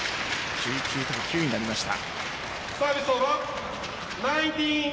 １９対９になりました。